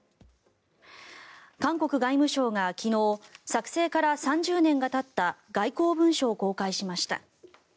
韓国外務省が昨日作成から３０年がたった外交文書を公開しました。